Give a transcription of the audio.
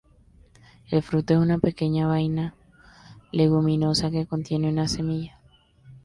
El fruto es una pequeña vaina leguminosa que contiene una semilla.